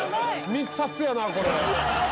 密撮やなこれ。